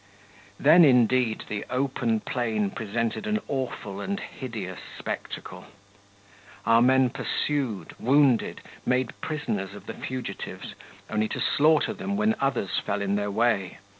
Then, indeed, the open plain presented an awful and hideous spectacle. Our men pursued, wounded, made prisoners of the fugitives only to slaughter them when others fell in their way.